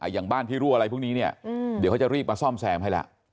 อย่างบ้านที่รั่วอะไรพวกนี้เนี่ยเดี๋ยวเขาจะรีบมาซ่อมแซมให้ละ